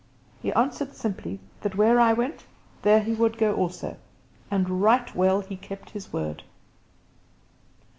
He answered simply that where I went, there would he go also; and right well he kept his word.